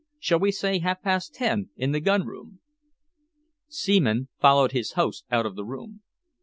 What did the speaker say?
Shall we say half past ten in the gun room?" Seaman followed his host out of the room.